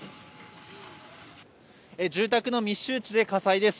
住宅の密集地で火災です。